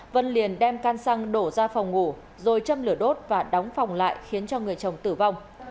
vân liền đem can sang đổ ra phòng ngủ rồi châm lửa đốt và đóng phòng lại khiến cho người chồng tử vong